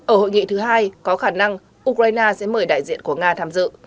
ở hội nghị thứ hai có khả năng ukraine sẽ mời đại diện của nga tham dự